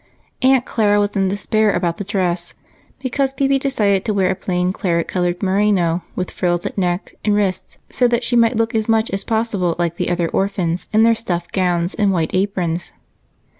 Aunt Clara was in despair about the dress because Phebe decided to wear a plain claret colored merino with frills at neck and wrists so that she might look, as much as possible, like the other orphans in their stuff gowns and white aprons.